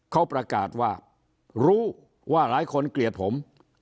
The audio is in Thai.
เขาประกาศว่ารู้ว่าหลายคนเกลียดผม